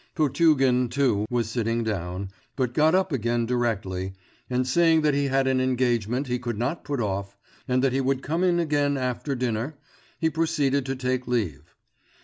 Potugin, too, was sitting down, but got up again directly, and saying that he had an engagement he could not put off, and that he would come in again after dinner, he proceeded to take leave.